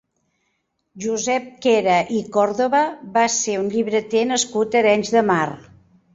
Josep Quera i Còrdoba va ser un llibreter nascut a Arenys de Mar.